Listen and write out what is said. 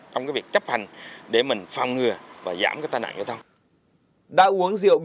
trong việc chấp hành để mình phong ngừa và giảm tai nạn giao thông